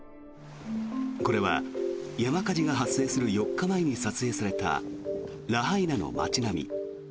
これは山火事が発生する４日前に撮影されたラハイナの街並み。